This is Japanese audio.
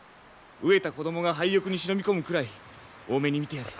飢えた子供が廃屋に忍び込むくらい大目に見てやれ。